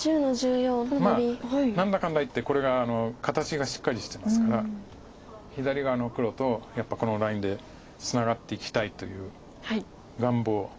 何だかんだいってこれが形がしっかりしてますから左側の黒とやっぱりこのラインでツナがっていきたいという願望。